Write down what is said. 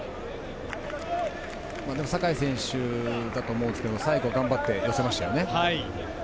酒井選手だと思うんですが、最後、頑張って寄せましたよね。